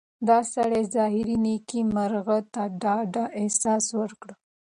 د سړي ظاهري نېکۍ مرغۍ ته د ډاډ احساس ورکړ.